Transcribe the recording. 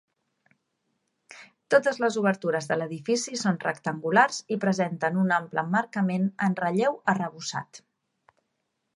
Totes les obertures de l'edifici són rectangulars i presenten un ample emmarcament en relleu arrebossat.